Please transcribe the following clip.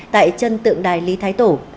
tại trân tượng đài lý thái tổ